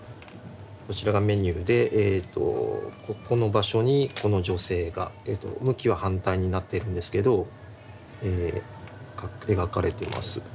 こちらがメニューでここの場所にこの女性が向きは反対になってるんですけど描かれてます。